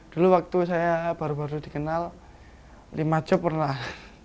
dulu waktu saya baru baru dikenal lima job pernah